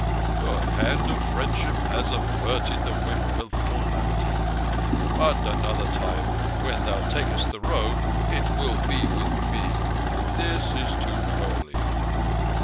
"The Hand of Friendship has averted the Whip of Calamity; but another time, when thou takest the Road it will be with me. This is too early."